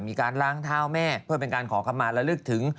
มีการล้างเท้าแม่เพื่อเป็นการขอคำมาระลึกถึง